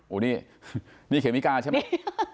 โอ้นี่เขมมิกาใช่ไหม